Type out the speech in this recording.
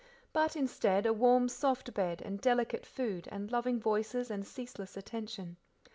But instead, a warm, soft bed, and delicate food, and loving voices and ceaseless attention.